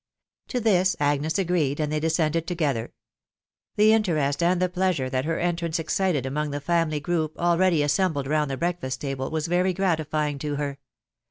To this Agnes agreed, and they descended together. The interest and the pleasure that her entrance excited among the family group already assembled round the breakfast table was very gratifying to her.